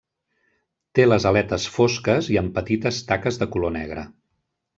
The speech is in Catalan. Té les aletes fosques i amb petites taques de color negre.